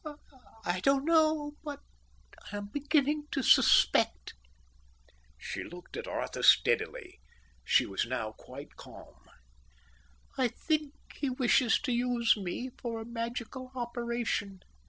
"I don't know, but I'm beginning to suspect." She looked at Arthur steadily. She was now quite calm. "I think he wishes to use me for a magical operation.